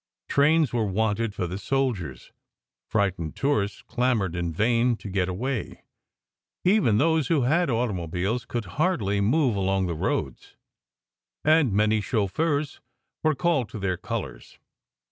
Trains were wanted for the soldiers. Frightened tourists clamoured in vain to get away. Even those who had automobiles could hardly move along the roads, and many chauffeurs were called to their colours.